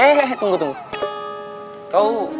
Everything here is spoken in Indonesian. eh eh eh tunggu tunggu